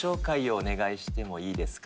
お願いしてもいいですか。